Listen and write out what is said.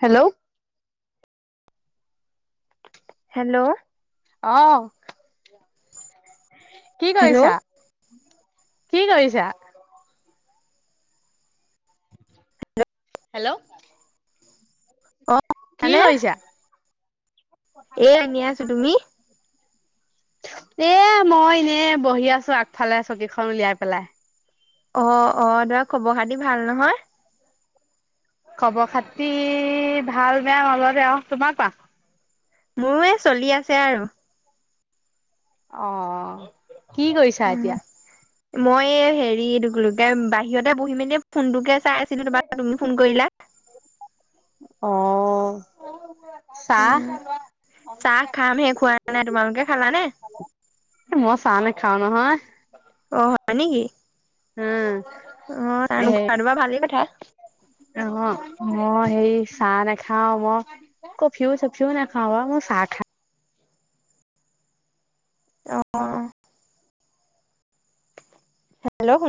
Hello? Hello? অ'। কি কৰিছা? কি কৰিছা? হেল্ল'? অ কি মানে কৰিছা? এ এনেই আছোঁ। তুমি? এ মই এনে বহি আছোঁ আগফালে, চকীখন উলিয়াই পেলাই। অ' - অ' দাৰ খবৰ-খাতি ভাল, নহয়? খবৰ-খাতি ভাল বেয়া মাজতে আও। তোমাৰ কোৱা। মোৰ এই চলি আছে আৰু। অ'। কি কৰিছা এতিয়া উম। মই এই হেৰি এইটো কলো কে বাহিৰতে বহি মেলি ফোনটোকে চাই আছিলোঁ। [unintelligible] তুমি ফোন কৰিলা। অ'। চাহ উম, চাহ খাম হে। খোৱা নাই। তোমালোকে খালানে? এ মই চাহ নেখাওঁ নহয়। অ হয় নেকি? উম। অ' চাহ হে নোখোৱাটো বাৰু ভালেই কথা। অ' মই সেই চাহ নেখাওঁ। মই ক'ফিউ - চফিউ নাখাওঁ বাও। মই চাহ খা অ'। হেল্ল'? শু